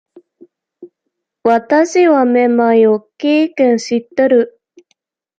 私は目まいを経験している